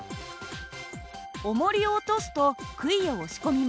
おもりを落とすとくいを押し込みます。